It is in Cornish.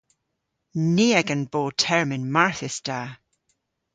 Ni a'gan bo termyn marthys da.